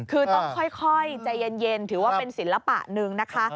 คือต้องค่อยใจเย็นถือว่าเป็นศิลปะหนึ่งนะคะ